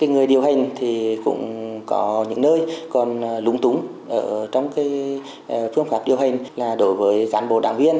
người điều hành cũng có những nơi còn lúng túng trong phương pháp điều hành đối với cán bộ đảng viên